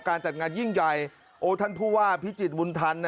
การจัดงานอย่างใหญ่ท่านผู้ว่าภิจิษฐ์มุนทรรณ